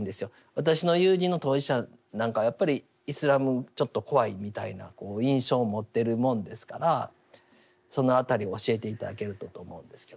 私の友人の当事者なんかはやっぱりイスラムちょっと怖いみたいな印象を持ってるもんですからその辺りを教えて頂けるとと思うんですけど。